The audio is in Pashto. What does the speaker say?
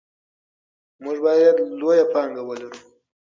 موږ باید لویه پانګه ولرو.